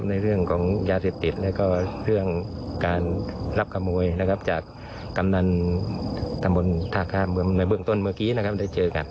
ในเรื่องของยาเสพติดและก็เรื่องการรับทำงวยจากกำนันสมันทางเมืองต้นเพราะการเเบื้องต้นเราก็ได้เจอกัด